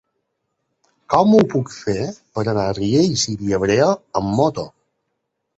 Com ho puc fer per anar a Riells i Viabrea amb moto?